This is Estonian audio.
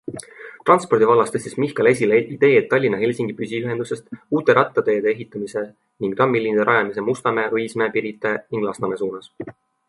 Transpordi vallas tõstis Michal esile ideed Tallinna-Helsingi püsiühendusest, uute rattateede ehitamise ning trammiliinide rajamise Mustamäe, Õismäe, Pirita ning Lasnamäe suunas.